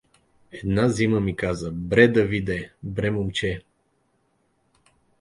Една зима ми каза: — Бре, Давиде, бре, момче!